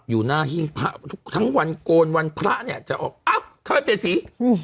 อยู่หน้าหิ้งพระทุกทั้งวันโกนวันพระเนี่ยจะออกอ้าวทำไมเปลี่ยนสีอืม